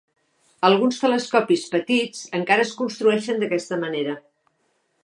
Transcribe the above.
Alguns telescopis petits encara es construeixen d'aquesta manera.